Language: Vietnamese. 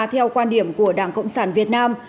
theo quan điểm của đảng cộng sản việt nam